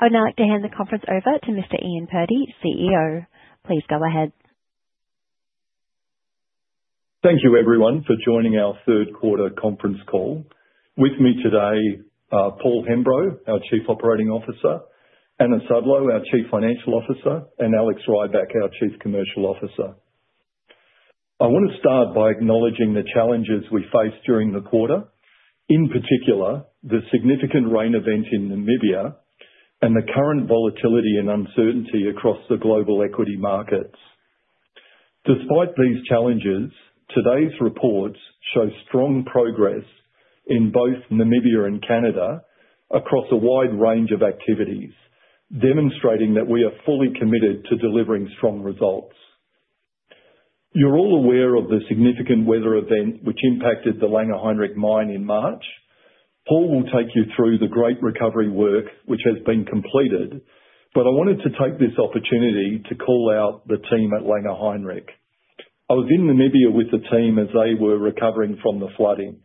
I would now like to hand the conference over to Mr. Ian Purdy, CEO. Please go ahead. Thank you, everyone, for joining our third-quarter conference call. With me today are Paul Hembrow, our Chief Operating Officer; Anna Sudlow, our Chief Financial Officer; and Alex Rybak, our Chief Commercial Officer. I want to start by acknowledging the challenges we faced during the quarter, in particular the significant rain event in Namibia and the current volatility and uncertainty across the global equity markets. Despite these challenges, today's reports show strong progress in both Namibia and Canada across a wide range of activities, demonstrating that we are fully committed to delivering strong results. You're all aware of the significant weather event which impacted the Langer Heinrich mine in March. Paul will take you through the great recovery work which has been completed, but I wanted to take this opportunity to call out the team at Langer Heinrich. I was in Namibia with the team as they were recovering from the flooding.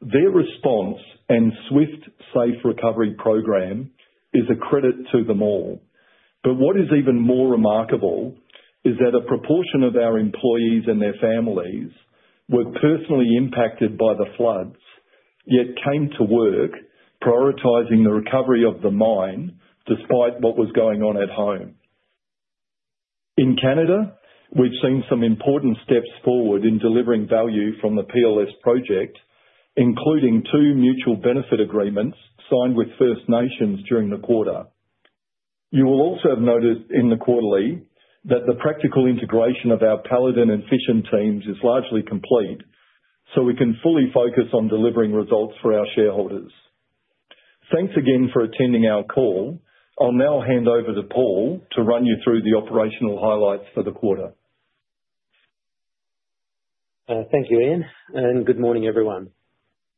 Their response and swift, safe recovery program is a credit to them all. What is even more remarkable is that a proportion of our employees and their families were personally impacted by the floods, yet came to work prioritizing the recovery of the mine despite what was going on at home. In Canada, we've seen some important steps forward in delivering value from the PLS project, including two mutual benefit agreements signed with First Nations during the quarter. You will also have noticed in the quarterly that the practical integration of our Paladin Envision teams is largely complete, so we can fully focus on delivering results for our shareholders. Thanks again for attending our call. I'll now hand over to Paul to run you through the operational highlights for the quarter. Thank you, Ian, and good morning, everyone.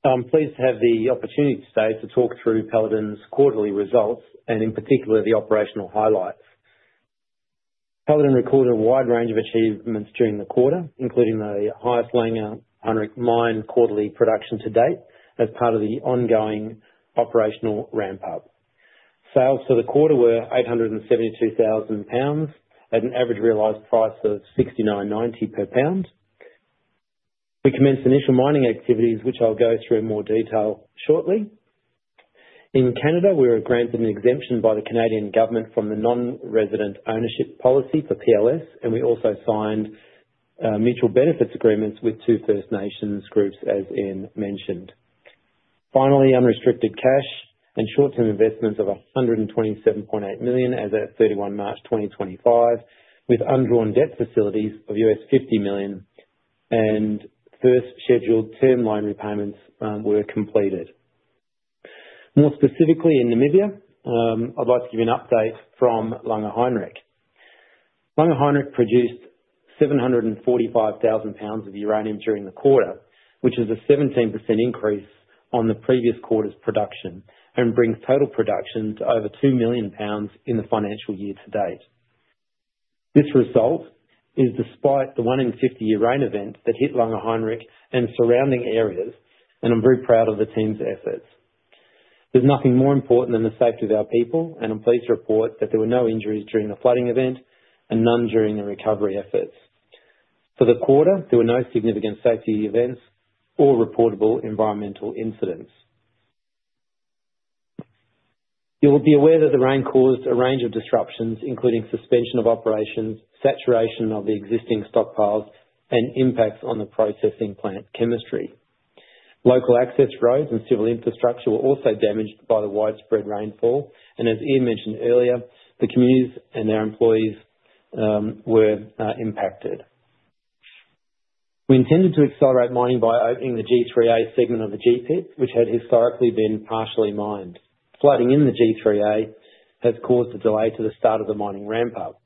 I'm pleased to have the opportunity today to talk through Paladin's quarterly results and, in particular, the operational highlights. Paladin recorded a wide range of achievements during the quarter, including the highest Langer Heinrich mine quarterly production to date as part of the ongoing operational ramp-up. Sales for the quarter were 872,000 pounds at an average realized price of GBP 69.90 per pound. We commenced initial mining activities, which I'll go through in more detail shortly. In Canada, we were granted an exemption by the Canadian government from the non-resident ownership policy for PLS, and we also signed mutual benefit agreements with two First Nations groups, as Ian mentioned. Finally, unrestricted cash and short-term investments of 127.8 million as of 31 March 2025, with undrawn debt facilities of $50 million, and first scheduled term loan repayments were completed. More specifically, in Namibia, I'd like to give you an update from Langer Heinrich. Langer Heinrich produced 745,000 pounds of uranium during the quarter, which is a 17% increase on the previous quarter's production and brings total production to over 2 million pounds in the financial year to date. This result is despite the 150-year rain event that hit Langer Heinrich and surrounding areas, and I'm very proud of the team's efforts. There's nothing more important than the safety of our people, and I'm pleased to report that there were no injuries during the flooding event and none during the recovery efforts. For the quarter, there were no significant safety events or reportable environmental incidents. You will be aware that the rain caused a range of disruptions, including suspension of operations, saturation of the existing stockpiles, and impacts on the processing plant chemistry. Local access roads and civil infrastructure were also damaged by the widespread rainfall, and as Ian mentioned earlier, the communities and their employees were impacted. We intended to accelerate mining by opening the G3A segment of the G pit, which had historically been partially mined. Flooding in the G3A has caused a delay to the start of the mining ramp-up.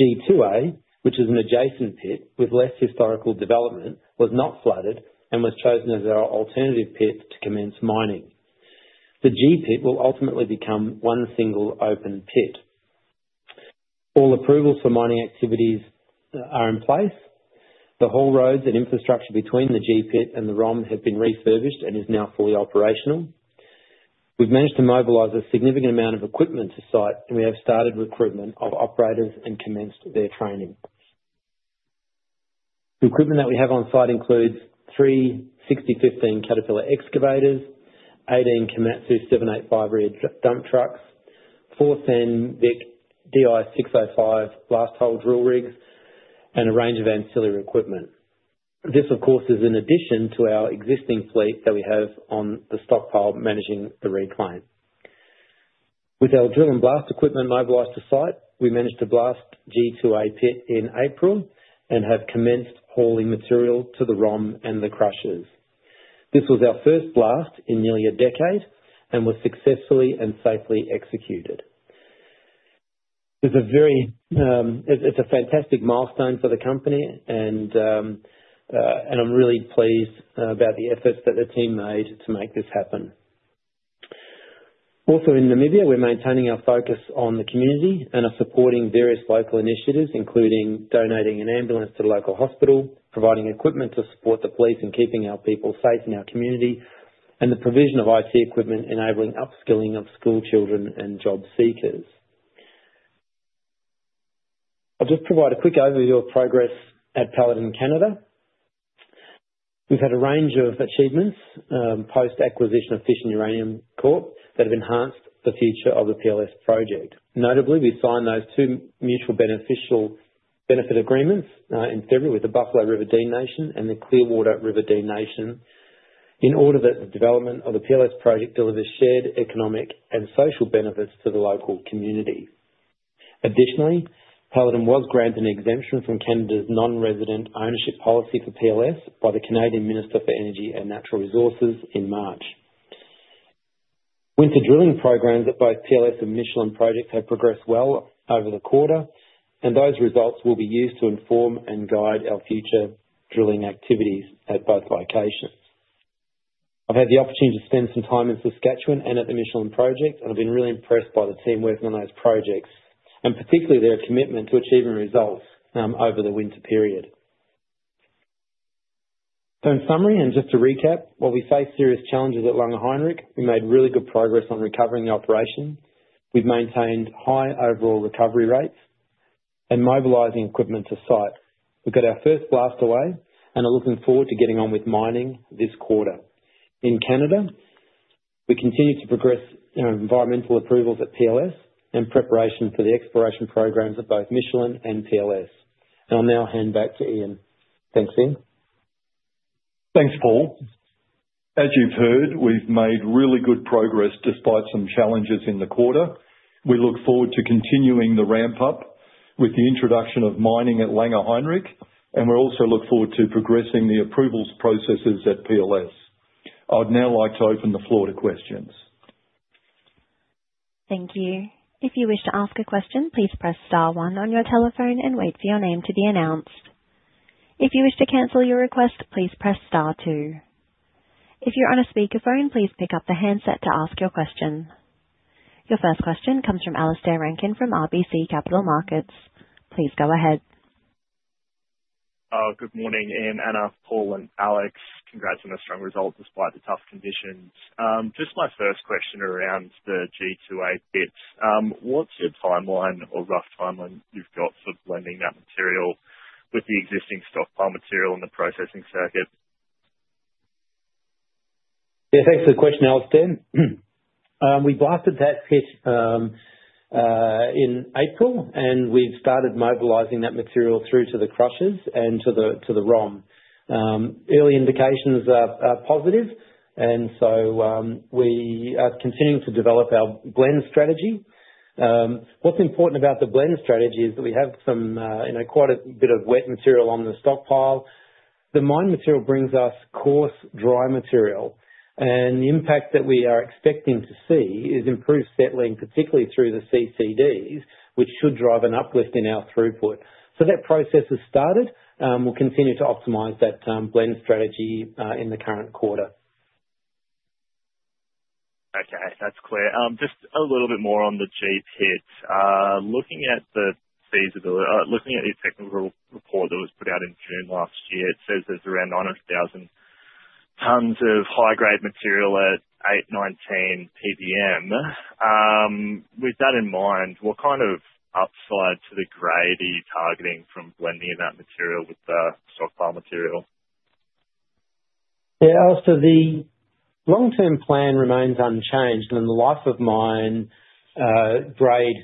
G2A, which is an adjacent pit with less historical development, was not flooded and was chosen as our alternative pit to commence mining. The G pit will ultimately become one single open pit. All approvals for mining activities are in place. The haul roads and infrastructure between the G pit and the ROM have been refurbished and are now fully operational. We've managed to mobilize a significant amount of equipment to site, and we have started recruitment of operators and commenced their training. The equipment that we have on site includes three 6015 Caterpillar excavators, 18 Komatsu 785 rear dump trucks, four Sandvik DI605 blast hole drill rigs, and a range of ancillary equipment. This, of course, is in addition to our existing fleet that we have on the stockpile managing the reclaim. With our drill and blast equipment mobilized to site, we managed to blast G2A pit in April and have commenced hauling material to the ROM and the crushers. This was our first blast in nearly a decade and was successfully and safely executed. It's a fantastic milestone for the company, and I'm really pleased about the efforts that the team made to make this happen. Also, in Namibia, we're maintaining our focus on the community and are supporting various local initiatives, including donating an ambulance to the local hospital, providing equipment to support the police in keeping our people safe in our community, and the provision of IT equipment enabling upskilling of schoolchildren and job seekers. I'll just provide a quick overview of progress at Paladin Canada. We've had a range of achievements post-acquisition of Fission Uranium Corp that have enhanced the future of the PLS project. Notably, we signed those two mutual benefit agreements in February with the Buffalo River Dene Nation and the Clearwater River Dene Nation in order that the development of the PLS project delivers shared economic and social benefits to the local community. Additionally, Paladin was granted an exemption from Canada's non-resident ownership policy for PLS by the Canadian Minister for Energy and Natural Resources in March. Winter drilling programs at both PLS and Michelin projects have progressed well over the quarter, and those results will be used to inform and guide our future drilling activities at both locations. I've had the opportunity to spend some time in Saskatchewan and at the Michelin projects, and I've been really impressed by the team working on those projects, and particularly their commitment to achieving results over the winter period. In summary, and just to recap, while we face serious challenges at Langer Heinrich, we made really good progress on recovering the operation. We've maintained high overall recovery rates and mobilizing equipment to site. We've got our first blast away, and we're looking forward to getting on with mining this quarter. In Canada, we continue to progress our environmental approvals at PLS and preparation for the exploration programs at both Michelin and PLS. I'll now hand back to Ian. Thanks, Ian. Thanks, Paul. As you've heard, we've made really good progress despite some challenges in the quarter. We look forward to continuing the ramp-up with the introduction of mining at Langer Heinrich, and we also look forward to progressing the approvals processes at PLS. I'd now like to open the floor to questions. Thank you. If you wish to ask a question, please press star one on your telephone and wait for your name to be announced. If you wish to cancel your request, please press star two. If you're on a speakerphone, please pick up the handset to ask your question. Your first question comes from Alastair Rankin from RBC Capital Markets. Please go ahead. Good morning, Ian, Anna, Paul, and Alex. Congrats on those strong results despite the tough conditions. Just my first question around the G2A pit: what's your timeline, or rough timeline, you've got for blending that material with the existing stockpile material in the processing circuit? Yeah, thanks for the question, Alastair. We blasted that pit in April, and we've started mobilizing that material through to the crushers and to the ROM. Early indications are positive, and we are continuing to develop our blend strategy. What's important about the blend strategy is that we have quite a bit of wet material on the stockpile. The mine material brings us coarse, dry material, and the impact that we are expecting to see is improved settling, particularly through the CCDs, which should drive an uplift in our throughput. That process has started. We'll continue to optimize that blend strategy in the current quarter. Okay, that's clear. Just a little bit more on the G pit. Looking at the technical report that was put out in June last year, it says there's around 900,000 tons of high-grade material at 819 ppm. With that in mind, what kind of upside to the grade are you targeting from blending that material with the stockpile material? Yeah, Alastair, the long-term plan remains unchanged, and in the life of mine grade,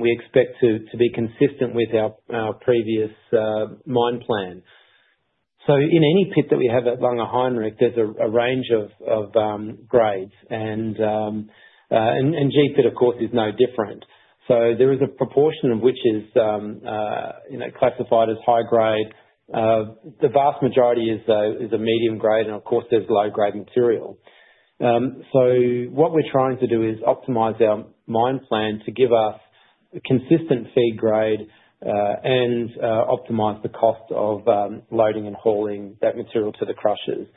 we expect to be consistent with our previous mine plan. In any pit that we have at Langer Heinrich, there is a range of grades, and G pit, of course, is no different. There is a proportion of which is classified as high grade. The vast majority is a medium grade, and of course, there is low-grade material. What we are trying to do is optimize our mine plan to give us a consistent feed grade and optimize the cost of loading and hauling that material to the crushers.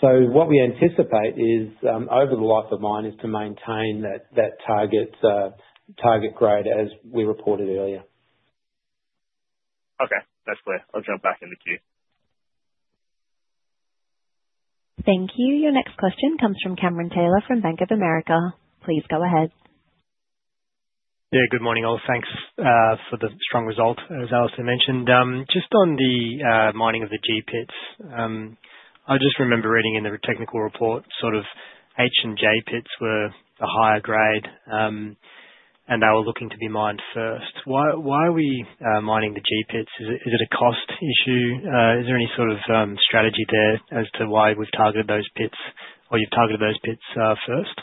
What we anticipate over the life of mine is to maintain that target grade as we reported earlier. Okay, that's clear. I'll jump back in the queue. Thank you. Your next question comes from Cameron Taylor from Bank of America. Please go ahead. Yeah, good morning, Al. Thanks for the strong result, as Alastair mentioned. Just on the mining of the G pits, I just remember reading in the technical report sort of H and J pits were the higher grade, and they were looking to be mined first. Why are we mining the G pits? Is it a cost issue? Is there any sort of strategy there as to why we've targeted those pits, or you've targeted those pits first?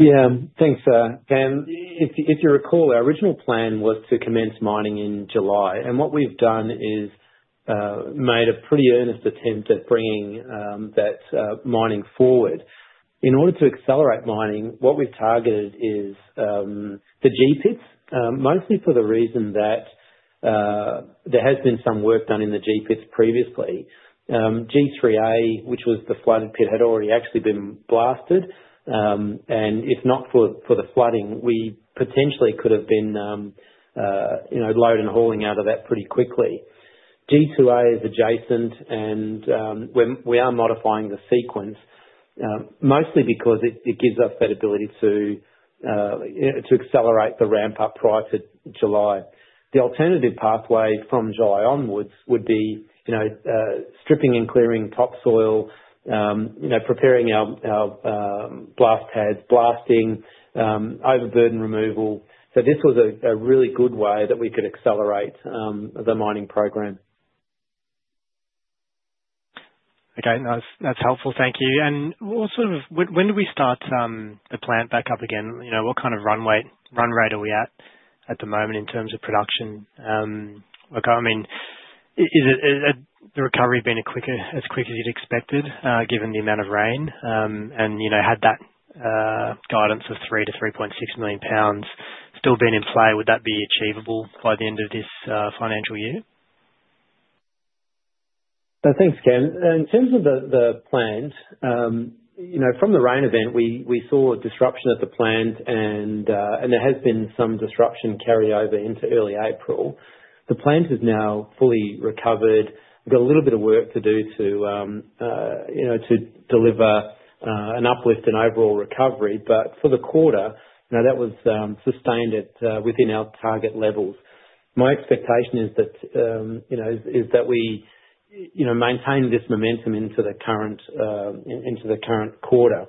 Yeah, thanks, Dan. If you recall, our original plan was to commence mining in July, and what we've done is made a pretty earnest attempt at bringing that mining forward. In order to accelerate mining, what we've targeted is the G pits, mostly for the reason that there has been some work done in the G pits previously. G3A, which was the flooded pit, had already actually been blasted, and if not for the flooding, we potentially could have been load and hauling out of that pretty quickly. G2A is adjacent, and we are modifying the sequence mostly because it gives us that ability to accelerate the ramp-up prior to July. The alternative pathway from July onwards would be stripping and clearing topsoil, preparing our blast pads, blasting, overburden removal. This was a really good way that we could accelerate the mining program. Okay, that's helpful. Thank you. When do we start the plant back up again? What kind of run rate are we at at the moment in terms of production? I mean, has the recovery been as quick as you'd expected given the amount of rain? Had that guidance of 3 million-3.6 million pounds still been in play, would that be achievable by the end of this financial year? Thanks, Ken. In terms of the plants, from the rain event, we saw disruption at the plant, and there has been some disruption carry over into early April. The plant has now fully recovered. We've got a little bit of work to do to deliver an uplift in overall recovery, but for the quarter, that was sustained within our target levels. My expectation is that we maintain this momentum into the current quarter.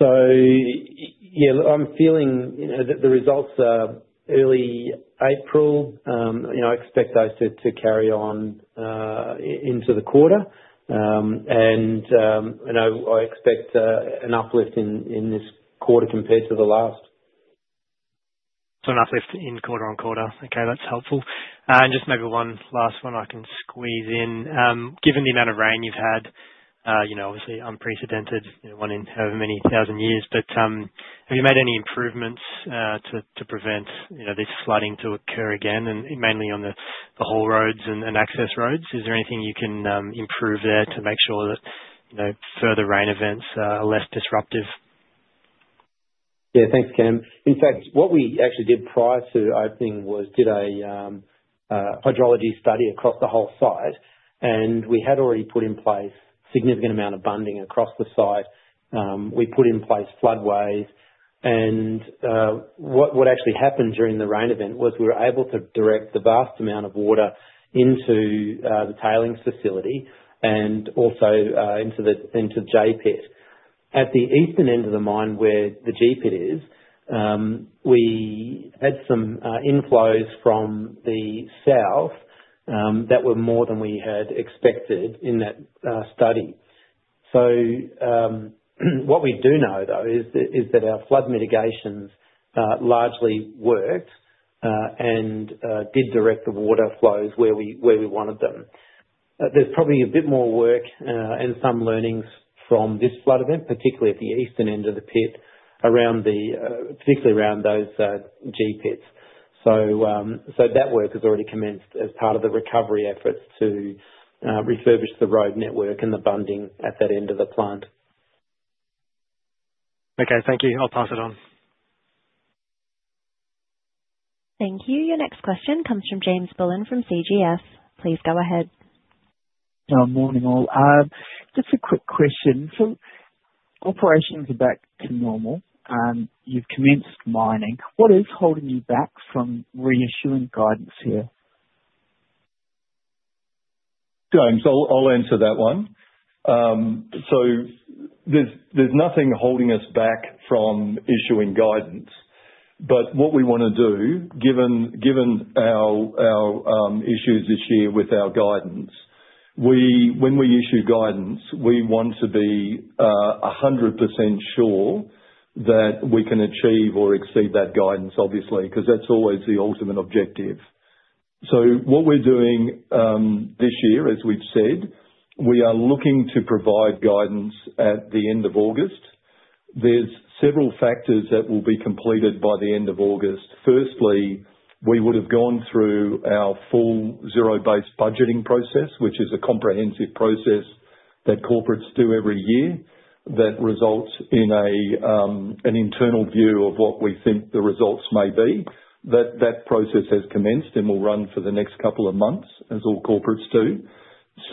Yeah, I'm feeling that the results are early April. I expect those to carry on into the quarter, and I expect an uplift in this quarter compared to the last. An uplift in quarter on quarter. Okay, that's helpful. Just maybe one last one I can squeeze in. Given the amount of rain you've had, obviously unprecedented, one in however many thousand years, have you made any improvements to prevent this flooding to occur again, and mainly on the haul roads and access roads? Is there anything you can improve there to make sure that further rain events are less disruptive? Yeah, thanks, Ken. In fact, what we actually did prior to opening was did a hydrology study across the whole site, and we had already put in place a significant amount of bunding across the site. We put in place floodways, and what actually happened during the rain event was we were able to direct the vast amount of water into the tailings facility and also into the J pit. At the eastern end of the mine where the G pit is, we had some inflows from the south that were more than we had expected in that study. What we do know, though, is that our flood mitigations largely worked and did direct the water flows where we wanted them. There's probably a bit more work and some learnings from this flood event, particularly at the eastern end of the pit, particularly around those G pits. That work has already commenced as part of the recovery efforts to refurbish the road network and the bunding at that end of the plant. Okay, thank you. I'll pass it on. Thank you. Your next question comes from James Bullen from CGS. Please go ahead. Morning, all. Just a quick question. Operations are back to normal, and you've commenced mining. What is holding you back from reissuing guidance here? James, I'll answer that one. There is nothing holding us back from issuing guidance, but what we want to do, given our issues this year with our guidance, when we issue guidance, we want to be 100% sure that we can achieve or exceed that guidance, obviously, because that is always the ultimate objective. What we are doing this year, as we have said, we are looking to provide guidance at the end of August. There are several factors that will be completed by the end of August. Firstly, we would have gone through our full zero-based budgeting process, which is a comprehensive process that corporates do every year, that results in an internal view of what we think the results may be. That process has commenced and will run for the next couple of months, as all corporates do.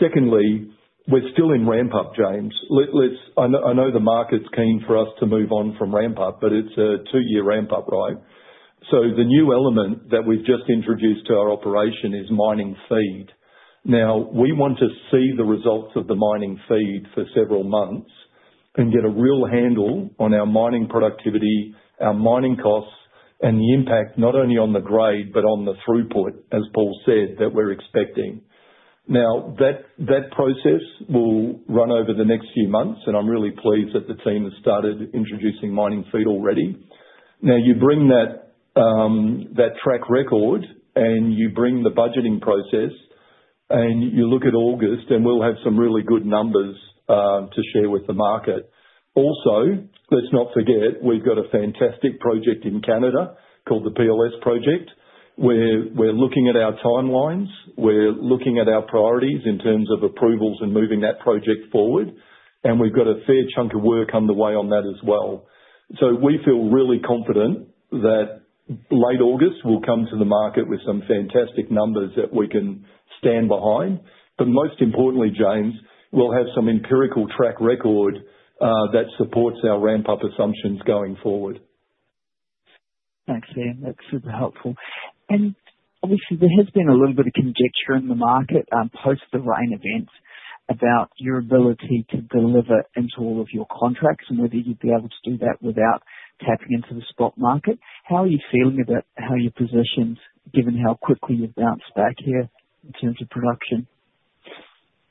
Secondly, we are still in ramp-up, James. I know the market's keen for us to move on from ramp-up, but it's a two-year ramp-up, right? The new element that we've just introduced to our operation is mining feed. Now, we want to see the results of the mining feed for several months and get a real handle on our mining productivity, our mining costs, and the impact not only on the grade but on the throughput, as Paul said, that we're expecting. That process will run over the next few months, and I'm really pleased that the team has started introducing mining feed already. You bring that track record, and you bring the budgeting process, and you look at August, and we'll have some really good numbers to share with the market. Also, let's not forget we've got a fantastic project in Canada called the PLS Project. We're looking at our timelines. We're looking at our priorities in terms of approvals and moving that project forward, and we've got a fair chunk of work underway on that as well. We feel really confident that late August we'll come to the market with some fantastic numbers that we can stand behind. Most importantly, James, we'll have some empirical track record that supports our ramp-up assumptions going forward. Thanks, Ian. That's super helpful. Obviously, there has been a little bit of conjecture in the market post the rain event about your ability to deliver into all of your contracts and whether you'd be able to do that without tapping into the spot market. How are you feeling about how you're positioned, given how quickly you've bounced back here in terms of production?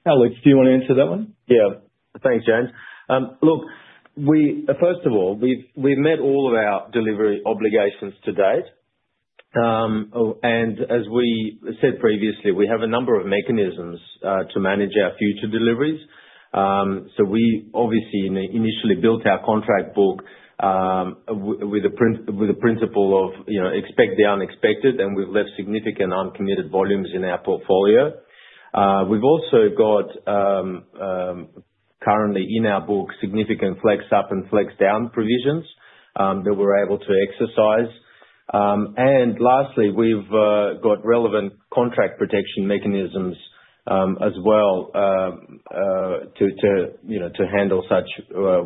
Alex, do you want to answer that one? Yeah. Thanks, James. Look, first of all, we've met all of our delivery obligations to date, and as we said previously, we have a number of mechanisms to manage our future deliveries. We obviously initially built our contract book with a principle of expect the unexpected, and we've left significant uncommitted volumes in our portfolio. We've also got currently in our book significant flex-up and flex-down provisions that we're able to exercise. Lastly, we've got relevant contract protection mechanisms as well to handle such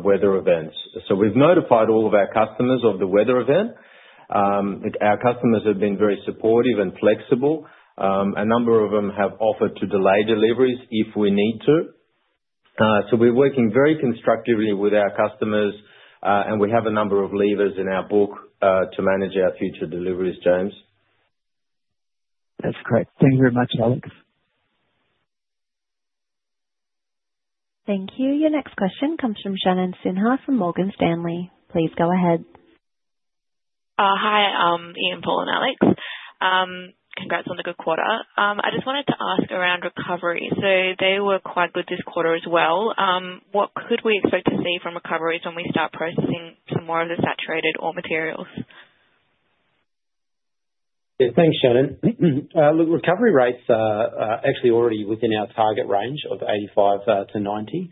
weather events. We've notified all of our customers of the weather event. Our customers have been very supportive and flexible. A number of them have offered to delay deliveries if we need to. We're working very constructively with our customers, and we have a number of levers in our book to manage our future deliveries, James. That's great. Thank you very much, Alex. Thank you. Your next question comes from Shannon Silver from Morgan Stanley. Please go ahead. Hi, I'm Ian Purdy. Congrats on the good quarter. I just wanted to ask around recovery. They were quite good this quarter as well. What could we expect to see from recoveries when we start processing some more of the saturated ore materials? Yeah, thanks, Shannon. Look, recovery rates are actually already within our target range of 85-90%.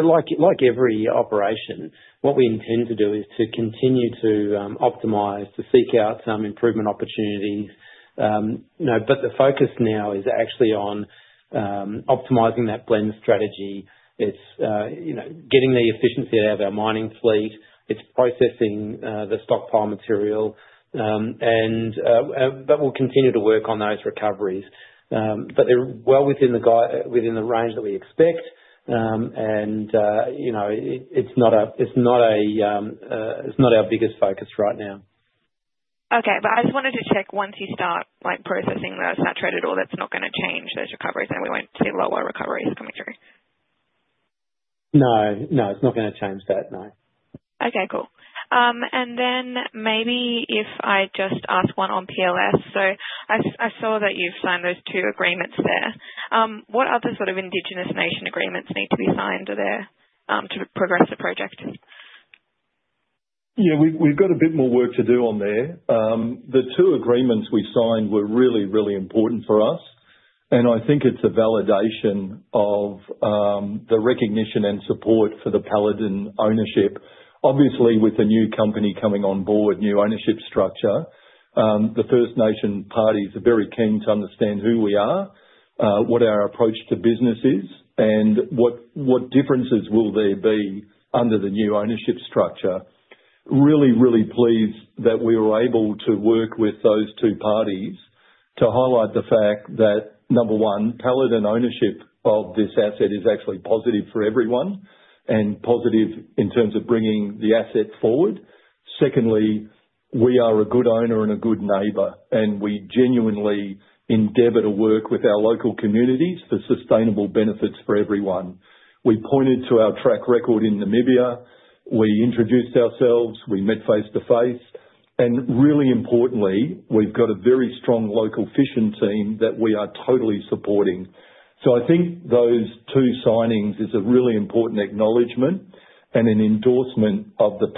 Like every operation, what we intend to do is to continue to optimize, to seek out some improvement opportunities. The focus now is actually on optimizing that blend strategy. It's getting the efficiency out of our mining fleet. It's processing the stockpile material. We'll continue to work on those recoveries. They're well within the range that we expect, and it's not our biggest focus right now. Okay, I just wanted to check once you start processing the saturated ore, that's not going to change those recoveries that we went to lower recoveries coming through? No, no. It's not going to change that, no. Okay, cool. Maybe if I just ask one on PLS. I saw that you've signed those two agreements there. What other sort of Indigenous Nation agreements need to be signed there to progress the project? Yeah, we've got a bit more work to do on there. The two agreements we signed were really, really important for us, and I think it's a validation of the recognition and support for the Paladin ownership. Obviously, with the new company coming on board, new ownership structure, the First Nation parties are very keen to understand who we are, what our approach to business is, and what differences will there be under the new ownership structure. Really, really pleased that we were able to work with those two parties to highlight the fact that, number one, Paladin ownership of this asset is actually positive for everyone and positive in terms of bringing the asset forward. Secondly, we are a good owner and a good neighbor, and we genuinely endeavor to work with our local communities for sustainable benefits for everyone. We pointed to our track record in Namibia. We introduced ourselves. We met face to face. Really importantly, we've got a very strong local Fission team that we are totally supporting. I think those two signings is a really important acknowledgement and an endorsement of the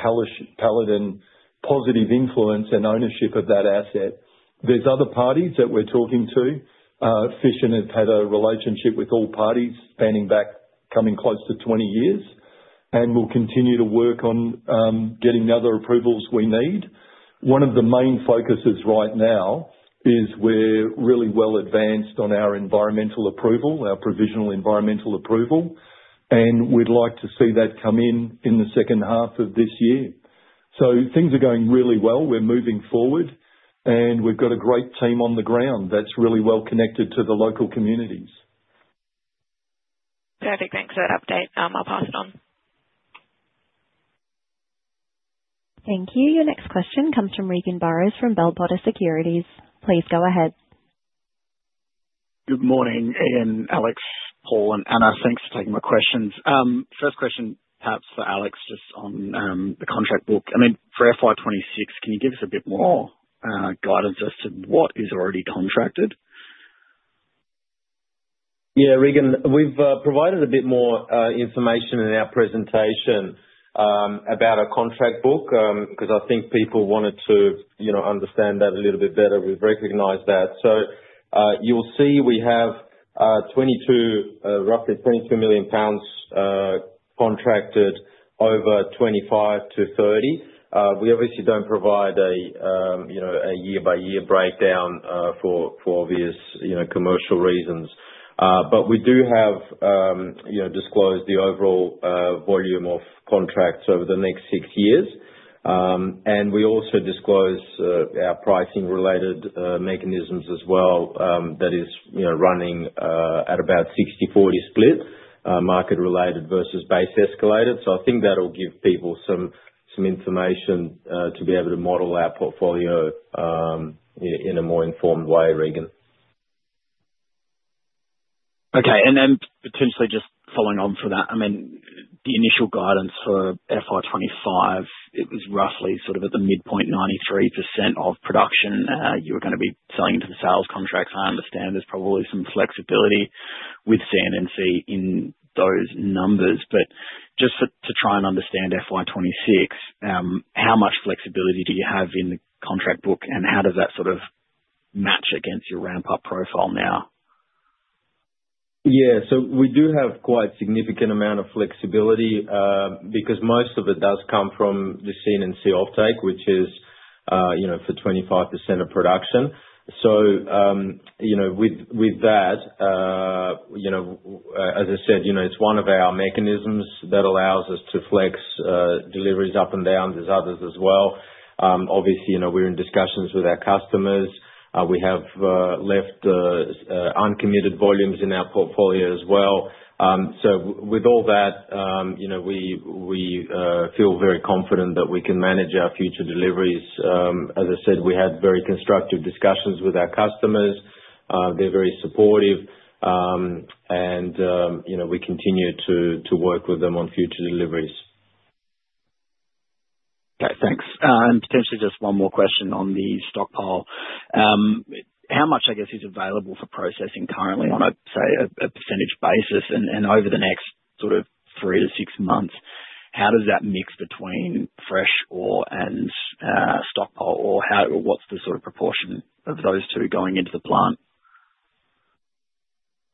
Paladin positive influence and ownership of that asset. There are other parties that we're talking to. Fission has had a relationship with all parties spanning back coming close to 20 years, and we'll continue to work on getting the other approvals we need. One of the main focuses right now is we're really well advanced on our environmental approval, our provisional environmental approval, and we'd like to see that come in in the second half of this year. Things are going really well. We're moving forward, and we've got a great team on the ground that's really well connected to the local communities. Perfect. Thanks for that update. I'll pass it on. Thank you. Your next question comes from Regan Burrows from Bell Potter Securities. Please go ahead. Good morning, Ian, Alex, Paul, and Anna. Thanks for taking my questions. First question, perhaps for Alex, just on the contract book. I mean, for FY2026, can you give us a bit more guidance as to what is already contracted? Yeah, Regan, we've provided a bit more information in our presentation about our contract book because I think people wanted to understand that a little bit better. We've recognized that. You will see we have roughly 22 million pounds contracted over 2025 to 2030. We obviously do not provide a year-by-year breakdown for obvious commercial reasons, but we have disclosed the overall volume of contracts over the next six years. We also disclose our pricing-related mechanisms as well that is running at about 60/40 split, market-related versus base-escalated. I think that will give people some information to be able to model our portfolio in a more informed way, Regan. Okay, and potentially just following on from that, I mean, the initial guidance for FY2025, it was roughly sort of at the midpoint, 93% of production. You were going to be selling into the sales contracts. I understand there's probably some flexibility with CNNC in those numbers. Just to try and understand FY2026, how much flexibility do you have in the contract book, and how does that sort of match against your ramp-up profile now? Yeah, we do have quite a significant amount of flexibility because most of it does come from the CNNC offtake, which is for 25% of production. With that, as I said, it's one of our mechanisms that allows us to flex deliveries up and down. There are others as well. Obviously, we're in discussions with our customers. We have left uncommitted volumes in our portfolio as well. With all that, we feel very confident that we can manage our future deliveries. As I said, we had very constructive discussions with our customers. They're very supportive, and we continue to work with them on future deliveries. Okay, thanks. Potentially just one more question on the stockpile. How much, I guess, is available for processing currently on a, say, a percentage basis? Over the next sort of three to six months, how does that mix between fresh ore and stockpile ore? What's the sort of proportion of those two going into the plant?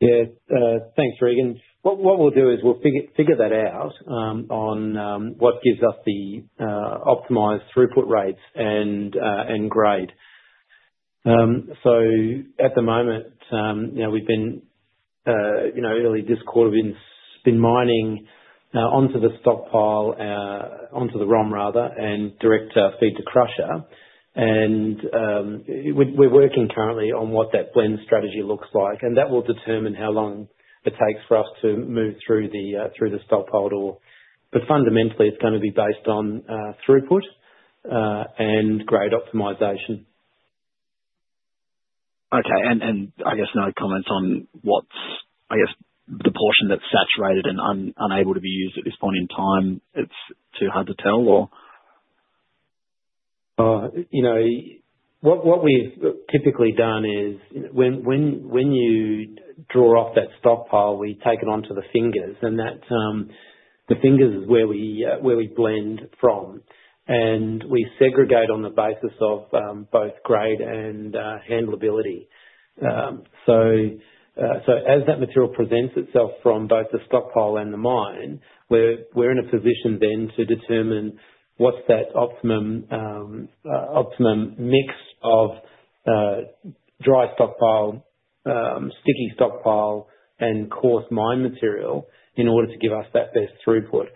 Yeah, thanks, Regan. What we'll do is we'll figure that out on what gives us the optimized throughput rates and grade. At the moment, we've been early this quarter been mining onto the stockpile, onto the ROM, rather, and direct feed to crusher. We're working currently on what that blend strategy looks like, and that will determine how long it takes for us to move through the stockpile door. Fundamentally, it's going to be based on throughput and grade optimization. Okay, I guess no comments on what's, I guess, the portion that's saturated and unable to be used at this point in time. It's too hard to tell, or? What we've typically done is when you draw off that stockpile, we take it onto the fingers, and the fingers is where we blend from. We segregate on the basis of both grade and handlability. As that material presents itself from both the stockpile and the mine, we're in a position then to determine what's that optimum mix of dry stockpile, sticky stockpile, and coarse mine material in order to give us that best throughput.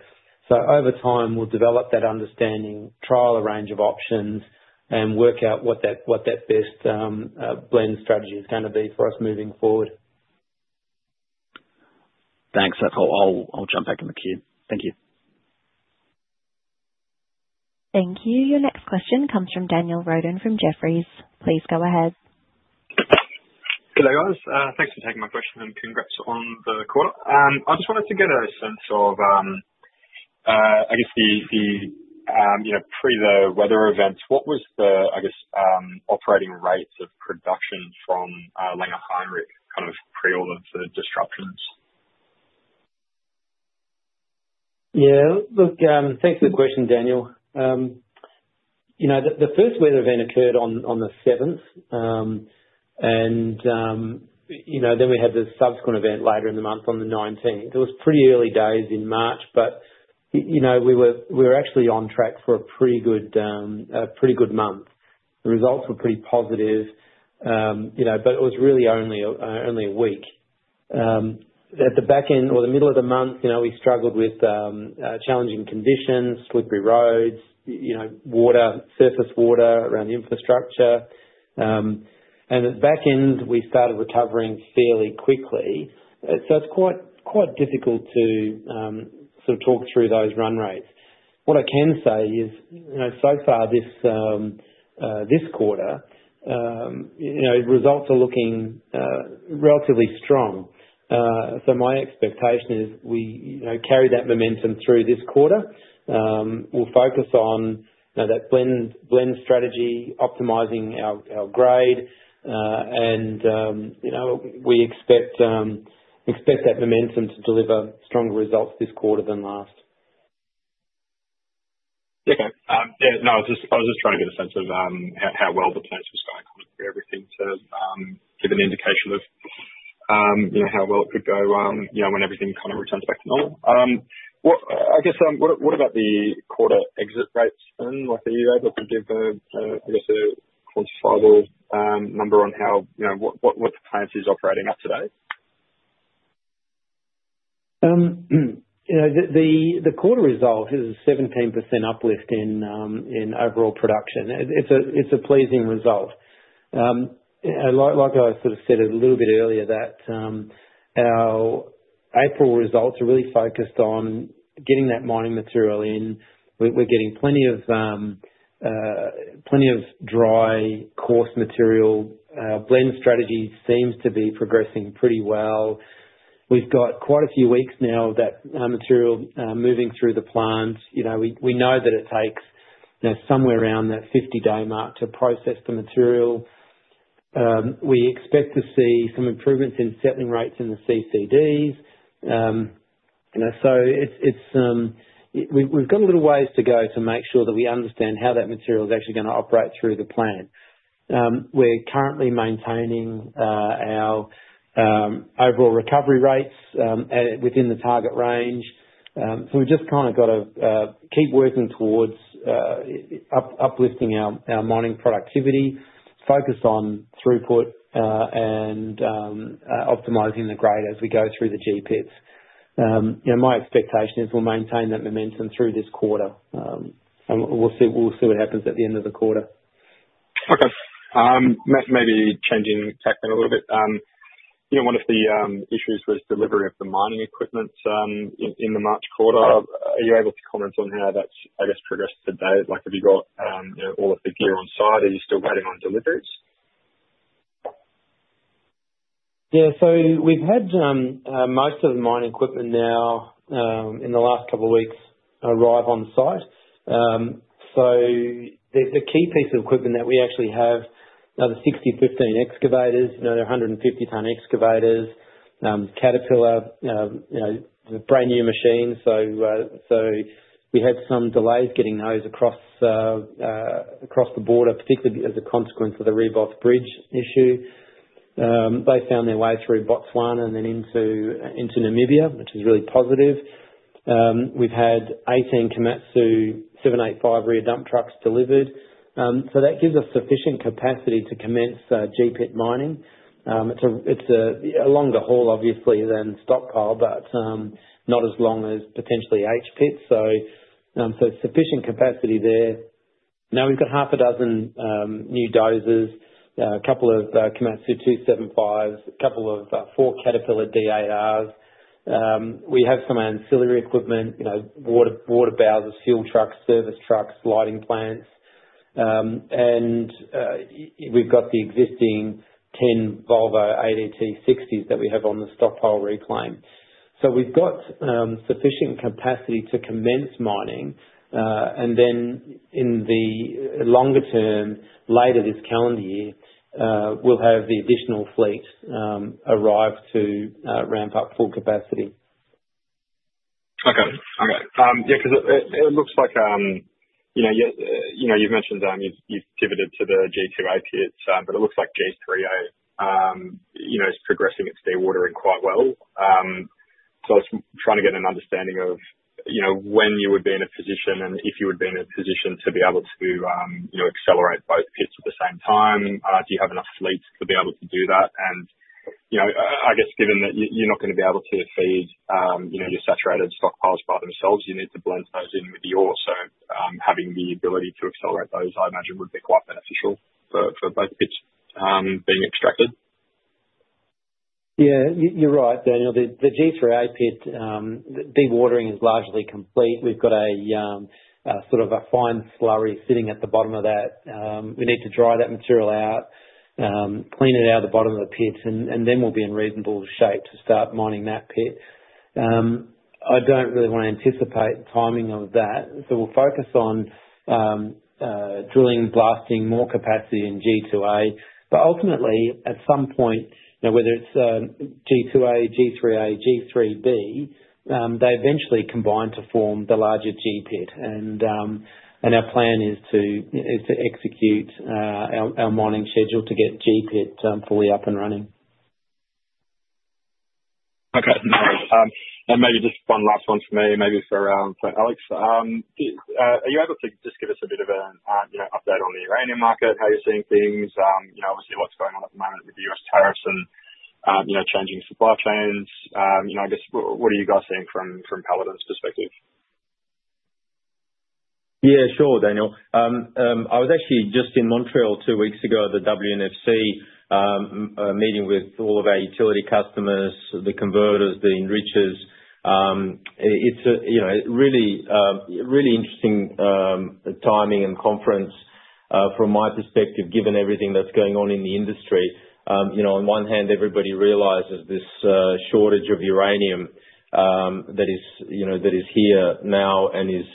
Over time, we'll develop that understanding, trial a range of options, and work out what that best blend strategy is going to be for us moving forward. Thanks. I'll jump back in the queue. Thank you. Thank you. Your next question comes from Daniel Rodon from Jefferies. Please go ahead. Hello, guys. Thanks for taking my question and congrats on the quarter. I just wanted to get a sense of, I guess, the pre the weather events. What was the, I guess, operating rates of production from Langer Heinrich kind of pre all of the disruptions? Yeah, look, thanks for the question, Daniel. The first weather event occurred on the 7th, and then we had the subsequent event later in the month on the 19th. It was pretty early days in March, but we were actually on track for a pretty good month. The results were pretty positive, but it was really only a week. At the back end or the middle of the month, we struggled with challenging conditions, slippery roads, surface water around the infrastructure. At the back end, we started recovering fairly quickly. It is quite difficult to sort of talk through those run rates. What I can say is, so far this quarter, results are looking relatively strong. My expectation is we carry that momentum through this quarter. We will focus on that blend strategy, optimizing our grade, and we expect that momentum to deliver stronger results this quarter than last. Okay. Yeah, no, I was just trying to get a sense of how well the plants were starting to recover everything to give an indication of how well it could go when everything kind of returns back to normal. I guess, what about the quarter exit rates then? Are you able to give, I guess, a quantifiable number on what the plant is operating at today? The quarter result is a 17% uplift in overall production. It's a pleasing result. Like I sort of said a little bit earlier, our April results are really focused on getting that mining material in. We're getting plenty of dry coarse material. Blend strategy seems to be progressing pretty well. We've got quite a few weeks now of that material moving through the plant. We know that it takes somewhere around that 50-day mark to process the material. We expect to see some improvements in settling rates in the CCDs. We've got a little ways to go to make sure that we understand how that material is actually going to operate through the plant. We're currently maintaining our overall recovery rates within the target range. We have just kind of got to keep working towards uplifting our mining productivity, focus on throughput, and optimizing the grade as we go through the G pits. My expectation is we will maintain that momentum through this quarter. We will see what happens at the end of the quarter. Okay. Maybe changing tack then a little bit. One of the issues was delivery of the mining equipment in the March quarter. Are you able to comment on how that's, I guess, progressed today? Have you got all of the gear on site, or are you still waiting on deliveries? Yeah, so we've had most of the mining equipment now in the last couple of weeks arrive on site. The key piece of equipment that we actually have are the 60/15 excavators, the 150-ton excavators, Caterpillar, the brand new machines. We had some delays getting those across the border, particularly as a consequence of the Rehoboth Bridge issue. They found their way through Botswana and then into Namibia, which is really positive. We've had 18 Komatsu 785 rear dump trucks delivered. That gives us sufficient capacity to commence G pit mining. It's a longer haul, obviously, than stockpile, but not as long as potentially H pits. Sufficient capacity there. Now we've got half a dozen new dozers, a couple of Komatsu 275s, four Caterpillar D8Rs. We have some ancillary equipment, water bowsers, fuel trucks, service trucks, lighting plants. We have the existing 10 Volvo ADT 60s that we have on the stockpile reclaim. We have sufficient capacity to commence mining. In the longer term, later this calendar year, we will have the additional fleet arrive to ramp up full capacity. Okay. Okay. Yeah, because it looks like you've mentioned you've pivoted to the G2A pits, but it looks like G3A is progressing its dewatering quite well. I was trying to get an understanding of when you would be in a position and if you would be in a position to be able to accelerate both pits at the same time. Do you have enough fleet to be able to do that? I guess given that you're not going to be able to feed your saturated stockpiles by themselves, you need to blend those in with yours. Having the ability to accelerate those, I imagine, would be quite beneficial for both pits being extracted. Yeah, you're right, Daniel. The G3A pit, dewatering is largely complete. We've got sort of a fine slurry sitting at the bottom of that. We need to dry that material out, clean it out at the bottom of the pits, and then we'll be in reasonable shape to start mining that pit. I don't really want to anticipate the timing of that. We will focus on drilling, blasting more capacity in G2A. Ultimately, at some point, whether it's G2A, G3A, G3B, they eventually combine to form the larger G pit. Our plan is to execute our mining schedule to get G pit fully up and running. Okay. Maybe just one last one for me, maybe for Alex. Are you able to just give us a bit of an update on the uranium market, how you're seeing things, obviously what's going on at the moment with the US tariffs and changing supply chains? I guess, what are you guys seeing from Paladin's perspective? Yeah, sure, Daniel. I was actually just in Montreal two weeks ago at the WNFC, meeting with all of our utility customers, the converters, the enrichers. It's a really interesting timing and conference from my perspective, given everything that's going on in the industry. On one hand, everybody realizes this shortage of uranium that is here now and is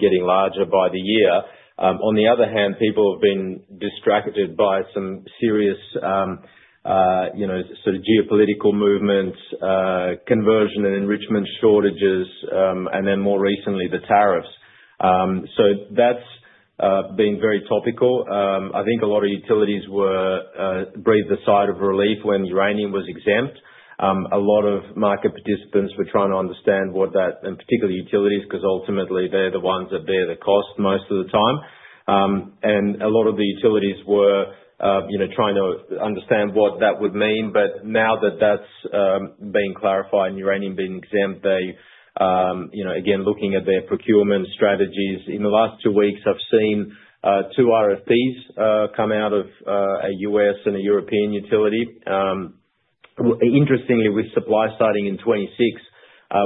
getting larger by the year. On the other hand, people have been distracted by some serious sort of geopolitical movements, conversion and enrichment shortages, and then more recently, the tariffs. That's been very topical. I think a lot of utilities breathed a sigh of relief when uranium was exempt. A lot of market participants were trying to understand what that, and particularly utilities, because ultimately, they're the ones that bear the cost most of the time. A lot of the utilities were trying to understand what that would mean. Now that that is being clarified and uranium being exempt, they again, looking at their procurement strategies. In the last two weeks, I have seen two RFPs come out of a U.S. and a European utility. Interestingly, with supply starting in 2026,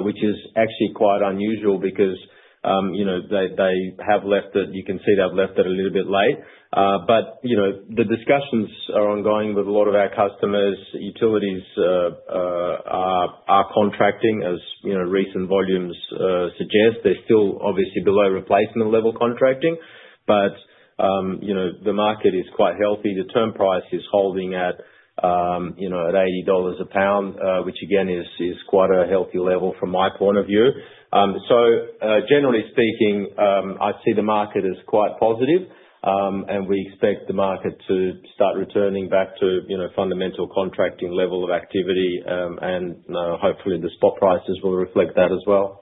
which is actually quite unusual because they have left it. You can see they have left it a little bit late. The discussions are ongoing with a lot of our customers. Utilities are contracting, as recent volumes suggest. They are still obviously below replacement level contracting, but the market is quite healthy. The term price is holding at $80 a pound, which again is quite a healthy level from my point of view. Generally speaking, I see the market as quite positive, and we expect the market to start returning back to fundamental contracting level of activity. Hopefully, the spot prices will reflect that as well.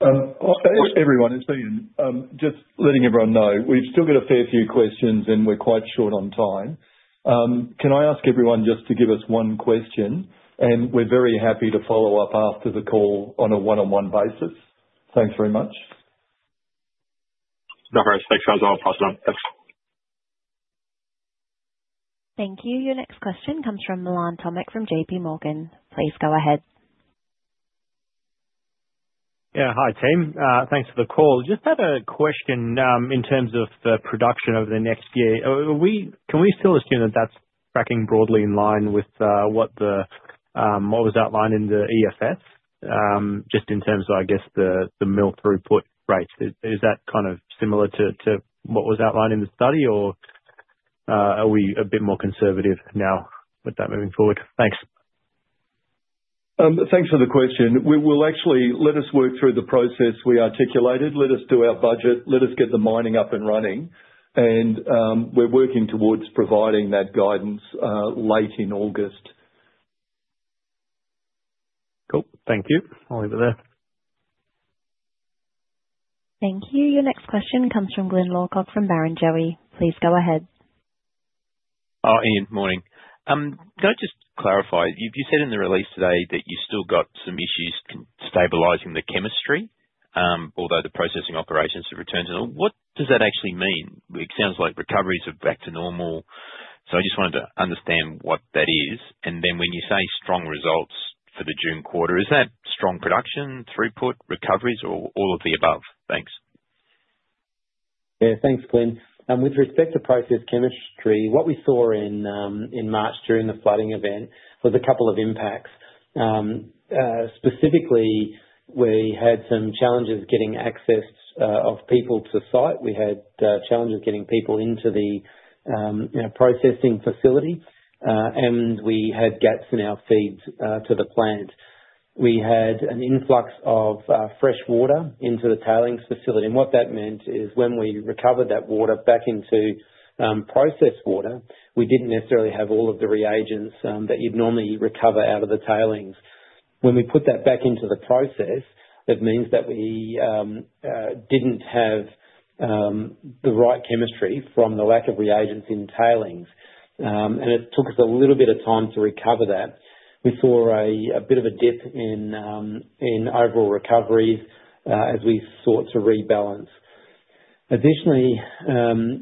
Everyone, it's Ian. Just letting everyone know, we've still got a fair few questions, and we're quite short on time. Can I ask everyone just to give us one question? We're very happy to follow up after the call on a one-on-one basis. Thanks very much. No worries. Thanks, guys. I'll pass it on. Thanks. Thank you. Your next question comes from Milan Tomic from JP Morgan. Please go ahead. Yeah, hi, team. Thanks for the call. Just had a question in terms of the production over the next year. Can we still assume that that's tracking broadly in line with what was outlined in the EFS, just in terms of, I guess, the mill throughput rates? Is that kind of similar to what was outlined in the study, or are we a bit more conservative now with that moving forward? Thanks. Thanks for the question. Actually, let us work through the process we articulated. Let us do our budget. Let us get the mining up and running. We are working towards providing that guidance late in August. Cool. Thank you. I'll leave it there. Thank you. Your next question comes from Glyn Lawcock from Barrenjoey. Please go ahead. Oh, Ian. Morning. Can I just clarify? You said in the release today that you still got some issues stabilizing the chemistry, although the processing operations have returned to normal. What does that actually mean? It sounds like recoveries are back to normal. I just wanted to understand what that is. When you say strong results for the June quarter, is that strong production, throughput, recoveries, or all of the above? Thanks. Yeah, thanks, Glyn. With respect to process chemistry, what we saw in March during the flooding event was a couple of impacts. Specifically, we had some challenges getting access of people to site. We had challenges getting people into the processing facility, and we had gaps in our feeds to the plant. We had an influx of fresh water into the tailings facility. What that meant is when we recovered that water back into processed water, we did not necessarily have all of the reagents that you would normally recover out of the tailings. When we put that back into the process, it means that we did not have the right chemistry from the lack of reagents in tailings. It took us a little bit of time to recover that. We saw a bit of a dip in overall recoveries as we sought to rebalance. Additionally,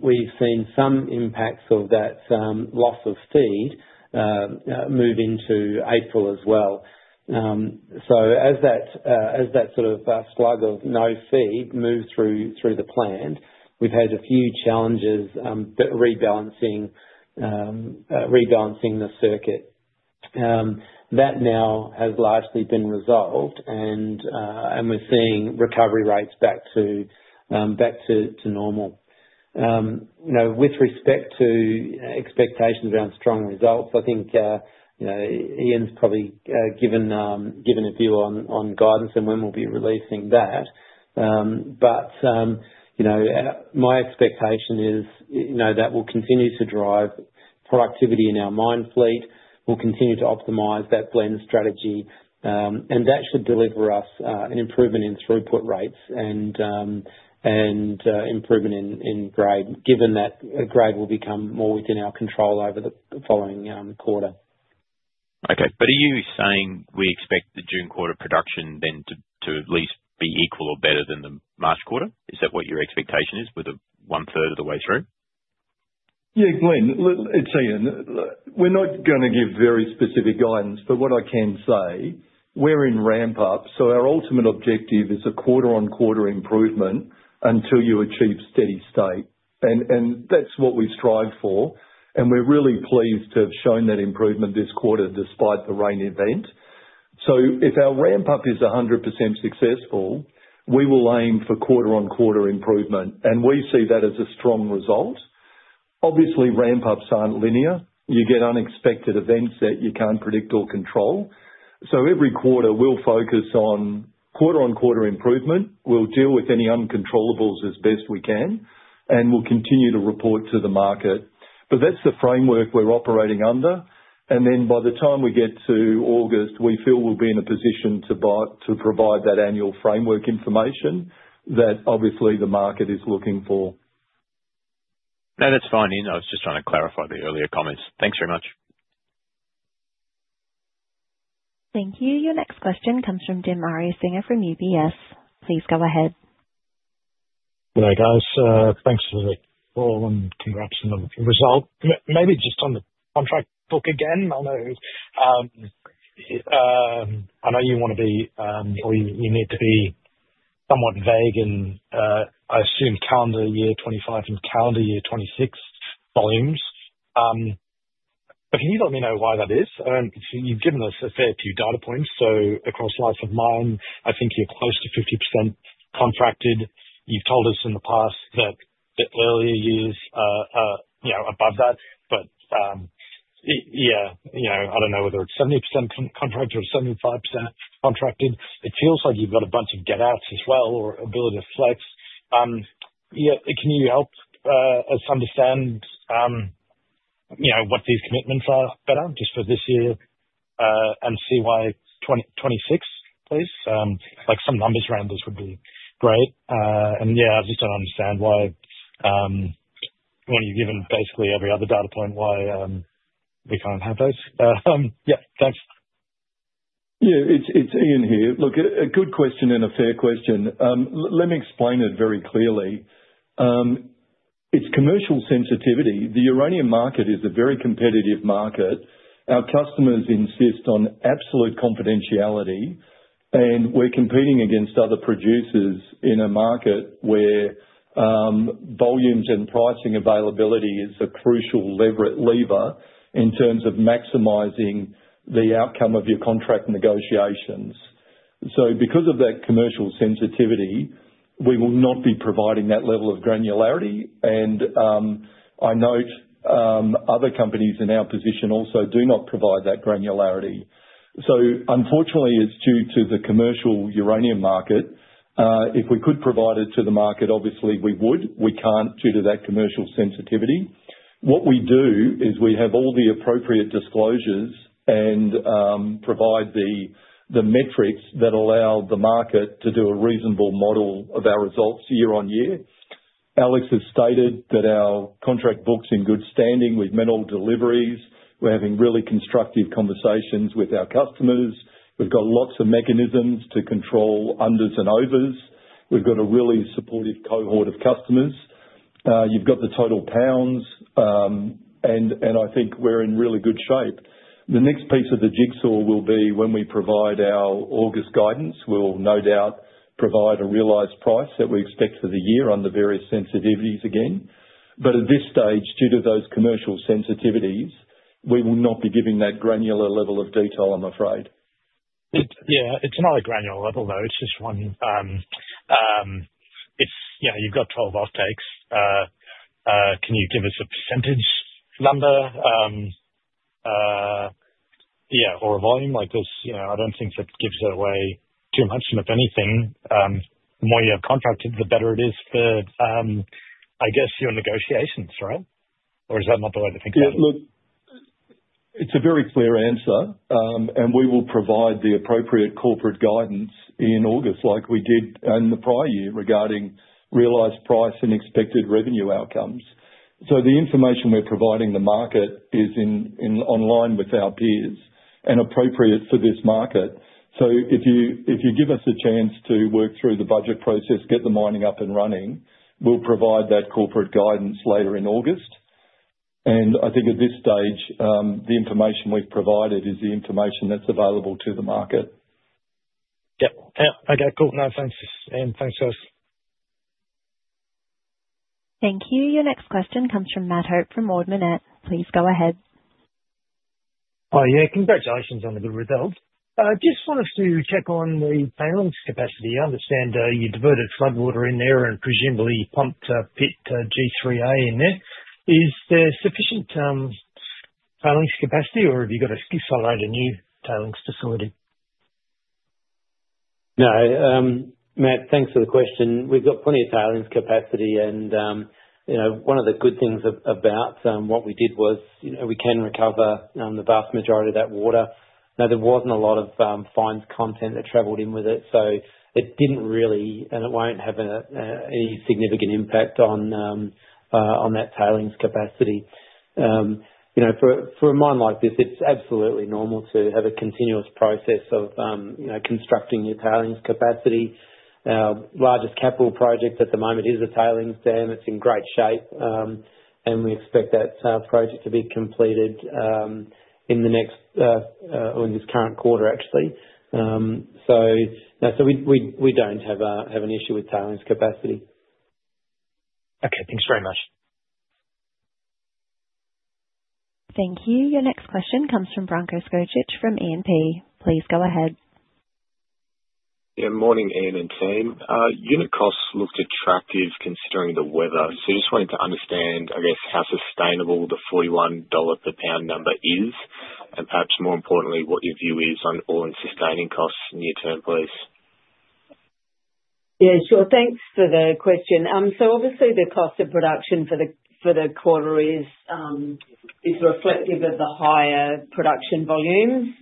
we've seen some impacts of that loss of feed move into April as well. As that sort of slug of no feed moved through the plant, we've had a few challenges rebalancing the circuit. That now has largely been resolved, and we're seeing recovery rates back to normal. With respect to expectations around strong results, I think Ian's probably given a view on guidance and when we'll be releasing that. My expectation is that we'll continue to drive productivity in our mine fleet. We'll continue to optimize that blend strategy. That should deliver us an improvement in throughput rates and improvement in grade, given that grade will become more within our control over the following quarter. Okay. Are you saying we expect the June quarter production then to at least be equal or better than the March quarter? Is that what your expectation is with one-third of the way through? Yeah, Glyn. It's Ian. We're not going to give very specific guidance, but what I can say, we're in ramp-up. Our ultimate objective is a quarter-on-quarter improvement until you achieve steady state. That's what we strive for. We're really pleased to have shown that improvement this quarter despite the rain event. If our ramp-up is 100% successful, we will aim for quarter-on-quarter improvement. We see that as a strong result. Obviously, ramp-ups aren't linear. You get unexpected events that you can't predict or control. Every quarter, we'll focus on quarter-on-quarter improvement. We'll deal with any uncontrollables as best we can, and we'll continue to report to the market. That's the framework we're operating under. By the time we get to August, we feel we'll be in a position to provide that annual framework information that obviously the market is looking for. No, that's fine. I was just trying to clarify the earlier comments. Thanks very much. Thank you. Your next question comes from Dimitri Singer from UBS. Please go ahead. Hello guys. Thanks for the call and congrats on the result. Maybe just on the contract book again. I know you want to be or you need to be somewhat vague in, I assume, calendar year 2025 and calendar year 2026 volumes. Can you let me know why that is? You've given us a fair few data points. Across life of mine, I think you're close to 50% contracted. You've told us in the past that the earlier years are above that. I don't know whether it's 70% contracted or 75% contracted. It feels like you've got a bunch of get-outs as well or ability to flex. Can you help us understand what these commitments are better just for this year and see why 2026, please? Some numbers around this would be great. I just don't understand why when you've given basically every other data point, why we can't have those. Yeah, thanks. Yeah, it's Ian here. Look, a good question and a fair question. Let me explain it very clearly. It's commercial sensitivity. The uranium market is a very competitive market. Our customers insist on absolute confidentiality, and we're competing against other producers in a market where volumes and pricing availability is a crucial lever in terms of maximizing the outcome of your contract negotiations. Because of that commercial sensitivity, we will not be providing that level of granularity. I note other companies in our position also do not provide that granularity. Unfortunately, it's due to the commercial uranium market. If we could provide it to the market, obviously we would. We can't due to that commercial sensitivity. What we do is we have all the appropriate disclosures and provide the metrics that allow the market to do a reasonable model of our results year on year. Alex has stated that our contract book is in good standing with mineral deliveries. We're having really constructive conversations with our customers. We've got lots of mechanisms to control unders and overs. We've got a really supportive cohort of customers. You've got the total pounds, and I think we're in really good shape. The next piece of the jigsaw will be when we provide our August guidance. We'll no doubt provide a realized price that we expect for the year under various sensitivities again. At this stage, due to those commercial sensitivities, we will not be giving that granular level of detail, I'm afraid. Yeah, it's not a granular level, though. It's just one. You've got 12 off-takes. Can you give us a percentage number? Yeah, or a volume like this? I don't think that gives it away too much. If anything, the more you have contracted, the better it is for, I guess, your negotiations, right? Or is that not the way to think about it? Yeah, look, it's a very clear answer, and we will provide the appropriate corporate guidance in August like we did in the prior year regarding realized price and expected revenue outcomes. The information we're providing the market is in line with our peers and appropriate for this market. If you give us a chance to work through the budget process, get the mining up and running, we'll provide that corporate guidance later in August. I think at this stage, the information we've provided is the information that's available to the market. Yep. Okay, cool. No, thanks, Ian. Thanks, guys. Thank you. Your next question comes from Matt Hope from Ord Minnett. Please go ahead. Oh, yeah. Congratulations on the good results. Just wanted to check on the tailings capacity. I understand you diverted floodwater in there and presumably pumped pit G3A in there. Is there sufficient tailings capacity, or have you got to accelerate a new tailings facility? No, Matt, thanks for the question. We've got plenty of tailings capacity. One of the good things about what we did was we can recover the vast majority of that water. There wasn't a lot of fines content that traveled in with it, so it didn't really and it won't have any significant impact on that tailings capacity. For a mine like this, it's absolutely normal to have a continuous process of constructing your tailings capacity. Our largest capital project at the moment is a tailings dam. It's in great shape, and we expect that project to be completed in the next or in this current quarter, actually. We don't have an issue with tailings capacity. Okay, thanks very much. Thank you. Your next question comes from Branko Skocic from E&P. Please go ahead. Yeah, morning, Ian and team. Unit costs look attractive considering the weather. Just wanted to understand, I guess, how sustainable the $41 per pound number is, and perhaps more importantly, what your view is on all-in sustaining costs near-term, please. Yeah, sure. Thanks for the question. Obviously, the cost of production for the quarter is reflective of the higher production volumes.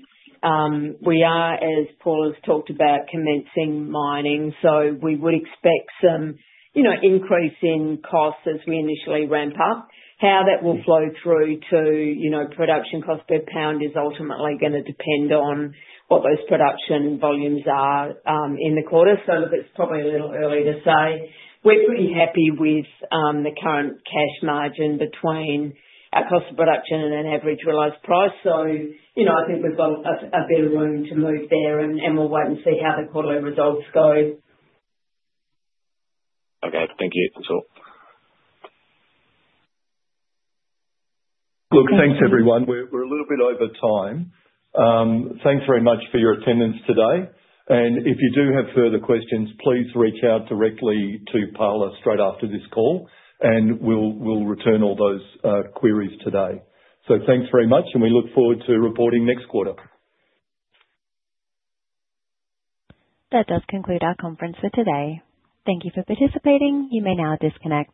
We are, as Paul has talked about, commencing mining. We would expect some increase in costs as we initially ramp up. How that will flow through to production cost per pound is ultimately going to depend on what those production volumes are in the quarter. It's probably a little early to say. We're pretty happy with the current cash margin between our cost of production and an average realized price. I think we've got a bit of room to move there, and we'll wait and see how the quarterly results go. Okay, thank you. That's all. Look, thanks, everyone. We're a little bit over time. Thanks very much for your attendance today. If you do have further questions, please reach out directly to Paul straight after this call, and we'll return all those queries today. Thanks very much, and we look forward to reporting next quarter. That does conclude our conference for today. Thank you for participating. You may now disconnect.